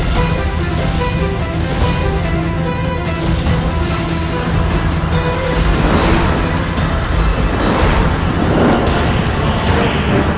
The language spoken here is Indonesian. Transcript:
cepat dan tugis yang kemarin